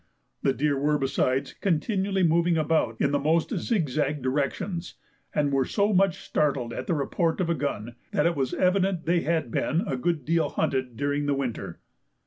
The deer were besides continually moving about in the most zig zag directions, and were so much startled at the report of a gun that it was evident they had been a good deal hunted during the winter.